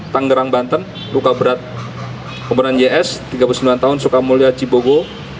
tanggerang banten luka berat komponen js tiga puluh sembilan tahun sukamulya cibogo